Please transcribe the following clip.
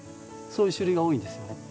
そういう種類が多いんですよね。